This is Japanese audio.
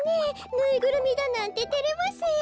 ぬいぐるみだなんでてれますよ！